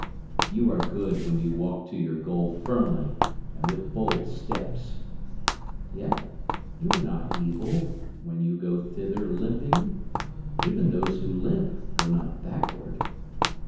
You are good when you walk to your goal firmly and with bold steps. Yet you are not evil when you go thither limping. Even those who limp go not backward.